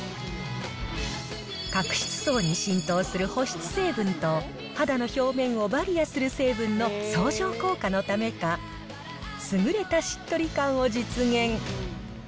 角質層に浸透する保湿成分と、肌の表面をバリアする成分の相乗効果のためか、優れたしっとり感を実現。